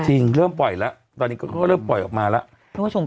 จริงเริ่มปล่อยแล้วปล่อยค่อยก็ล้อมปล่อยออกมาแล้ว